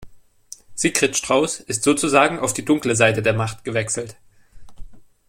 Sigrid Strauß ist sozusagen auf die dunkle Seite der Macht gewechselt.